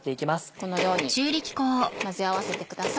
このように混ぜ合わせてください。